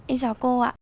em chào cô ạ